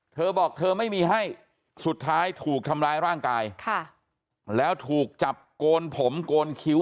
เธอบอกเธอไม่มีให้สุดท้ายถูกทำร้ายร่างกายค่ะแล้วถูกจับโกนผมโกนคิ้ว